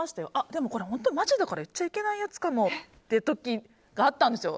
でもこれマジだから言っちゃいけないやつかもって時があったんですよ。